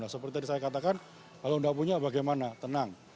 seperti tadi saya katakan kalau tidak punya bagaimana tenang